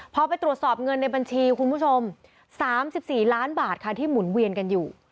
พอไปตรวจสอบเงินในบัญชีคุณผู้ชม๓๔ล้านบาทค่ะที่หมุนเวียนกันอยู่